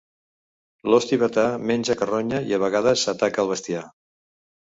L'ós tibetà menja carronya i, a vegades, ataca al bestiar.